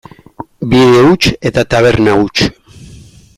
Bide huts eta taberna huts.